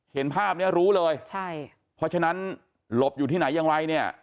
เห็นภาพเนี้ยรู้เลยใช่เพราะฉะนั้นหลบอยู่ที่ไหนอย่างไรเนี่ย